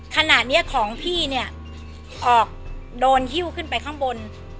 ขณะนี้ของพี่เนี่ยออกโดนหิ้วขึ้นไปข้างบน